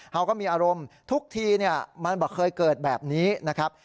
เขาก็มีอารมณ์ทุกทีมันบอกเคยเกิดแบบนี้นะครับ